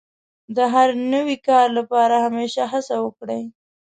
د هر نوي کار لپاره همېشه هڅه وکړئ.